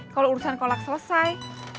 kalau urusan kolak selesai